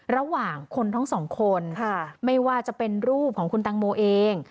ระหว่างคนทั้งสองคนไม่ว่าจะเป็นรูปของคุณตังโมเอง